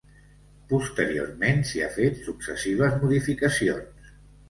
Posteriorment s'hi ha fet successives modificacions.